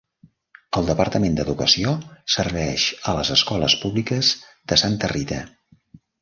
El Departament d'educació serveix a les escoles públiques de Santa Rita.